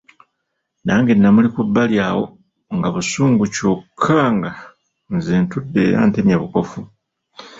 Nange namuli ku bbali awo nga busungu kyokka nga nze ntudde era ntemya bukofu.